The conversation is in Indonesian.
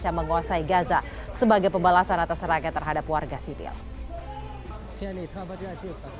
yang menguasai gaza sebagai pembalasan atas serangan terhadap warga sipil jenit rambutnya